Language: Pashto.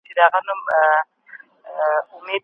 فساد کول منع دي.